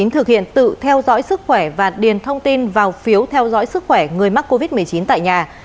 thực hiện tự theo dõi sức khỏe và điền thông tin vào phiếu theo dõi sức khỏe người mắc covid một mươi chín tại nhà